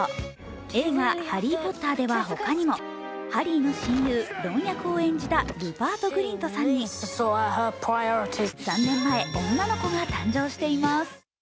映画「ハリー・ポッター」ではほかにもハリーの親友、ロン役を演じたルパート・グリントさんに３年前、女の子が誕生しています。